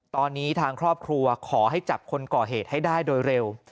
ตอนนี้ทางครอบครัวขอให้จับคนก่อเหตุให้ได้โดยเร็ว